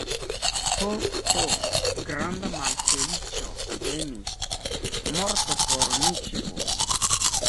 Ho, ho, granda malfeliĉo venis, morto por ni ĉiuj!